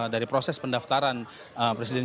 dari proses pendaftaran